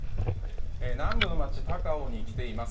南部の街・高雄に来ています。